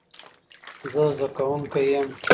زه زدکونکې ېم